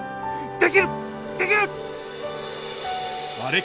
できる！